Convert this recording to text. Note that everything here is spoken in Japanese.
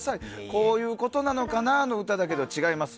こういうことなのかなの歌だけど違います